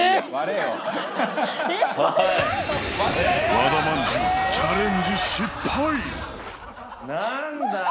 和田まんじゅうチャレンジ失敗なんだよ